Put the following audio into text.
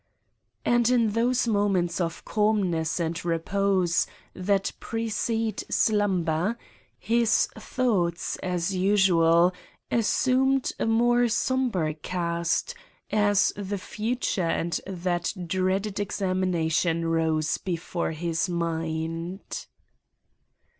And in those moments of calmness and repose that precede slumber his thoughts, as usual, assumed a more sombre cast as the future and that dreaded examination rose before his mind.